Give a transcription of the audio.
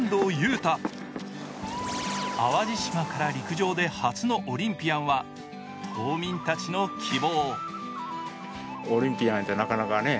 汰淡路島から陸上で初のオリンピアンは島民たちの希望。